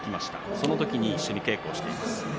その時、一緒に稽古をしています。